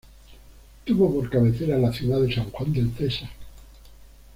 Tuvo por cabecera a la ciudad de San Juan del Cesar.